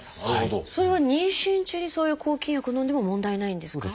それは妊娠中にそういう抗菌薬をのんでも問題ないんですか？